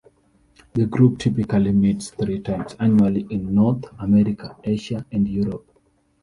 The group typically meets three times annually in North America, Asia and Europe.